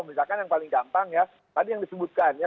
misalkan yang paling gampang ya tadi yang disebutkan ya